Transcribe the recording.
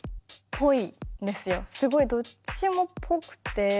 すごいどっちもぽくて。